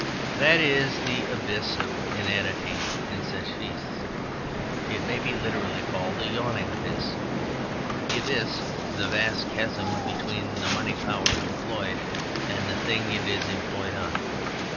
That is the abyss of inanity in such feasts it may be literally called a yawning abyss. The abyss is the vast chasm between the money power employed and the thing it is employed on.